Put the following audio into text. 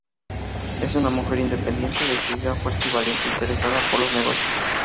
Es una mujer independiente, decidida, fuerte, valiente e interesada por los negocios.